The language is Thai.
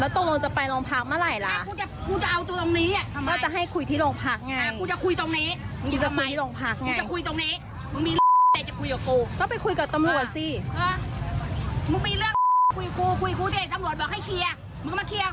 แล้วต้องลองจะไปโรงพาร์คเมื่อไหร่ละแกคุณจะเอาตรงลงนี้อ่ะทำไมก็จะให้คุยที่โรงพาร์คไงอ่าคุณจะคุยตรงนี้มึงจะคุยที่โรงพาร์คโดยจะคุยตรงนี้มึงมีเรื่องดำเส